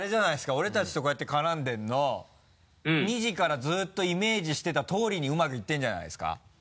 俺たちとこうやって絡んでるの２時からずっとイメージしてた通りにうまくいってるんじゃないですか？